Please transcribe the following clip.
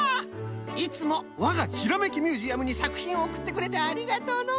いつもわが「ひらめきミュージアム」にさくひんをおくってくれてありがとうの！